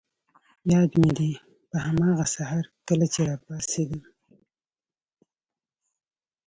یاد مي دي، په هماغه سهار کله چي راپاڅېدم.